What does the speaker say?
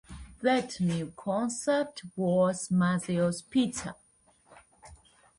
That new concept was Mazzio's Pizza.